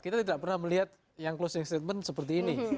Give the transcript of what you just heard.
kita tidak pernah melihat yang closing statement seperti ini